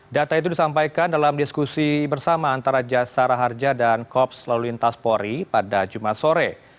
data itu disampaikan dalam diskusi bersama antara jasa raharja dan kops laluintas pori pada jumat sore